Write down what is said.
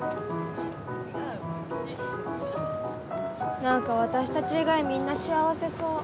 なんか私たち以外みんな幸せそう。